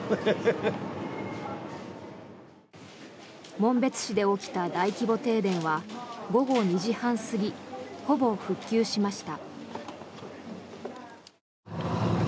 紋別市で起きた大規模停電は午後２時半過ぎほぼ復旧しました。